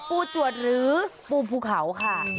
จวดหรือปูภูเขาค่ะ